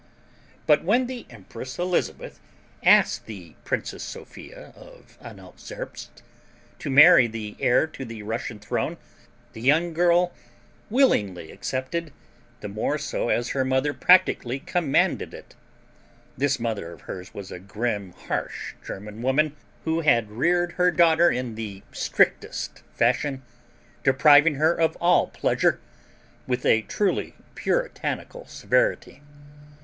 But when the Empress Elizabeth asked the Princess Sophia of Anhalt Zerbst to marry the heir to the Russian throne the young girl willingly accepted, the more so as her mother practically commanded it. This mother of hers was a grim, harsh German woman who had reared her daughter in the strictest fashion, depriving her of all pleasure with a truly puritanical severity.